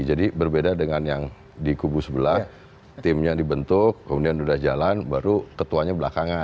jadi berbeda dengan yang di kubu sebelah timnya dibentuk kemudian sudah jalan baru ketuanya belakangan